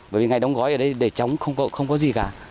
bởi vì ngày đóng gói ở đây để trống không có gì cả